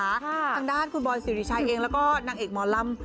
ทางด้านคุณบอยสิริชัยเองแล้วก็นางเอกหมอลำ